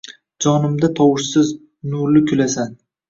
Jonimda tovushsiz, nurli kulasan…